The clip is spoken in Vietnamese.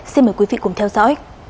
xin mời quý vị cùng theo dõi